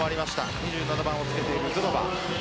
２７番をつけているドゥドバ。